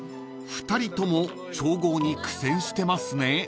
［２人とも調合に苦戦してますね］